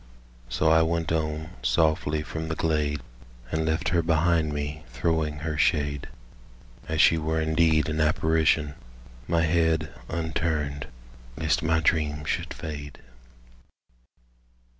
So I went on softly from the glade, And left her behind me throwing her shade, As she were indeed an apparition— My head unturned lest my dream should fade.